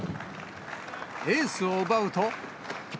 エースを奪うと。